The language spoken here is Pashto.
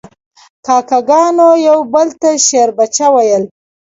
کاکه ګانو یو بل ته شیربچه ویل.